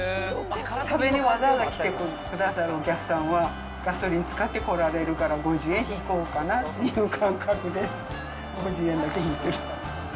食べにわざわざ来てくださるお客さんは、ガソリン使って来られるから、５０円引こうかなっていう感覚で、５０円だけ引いてる。